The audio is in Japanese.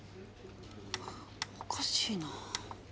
おかしいな。